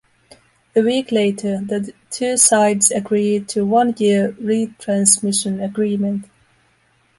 A week later, the two sides agreed to a one-year retransmission agreement.